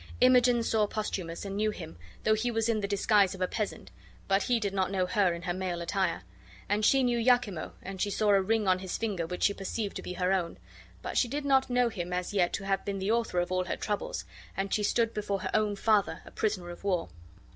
Imogen saw Posthumus, and knew him, though he was in the disguise of a peasant; but he did not know her in her male attire. And she knew Iachimo, and she saw a ring on his finger which she perceived to be her own., but she did not know him as yet to have been the author of all her troubles; and she stood before her own father a prisoner of war.